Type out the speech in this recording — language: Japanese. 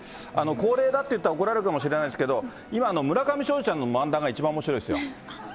高齢だって言ったら怒られるかもしれないですけど、今、村上ショージさんの漫談が一番おもしろいですよ。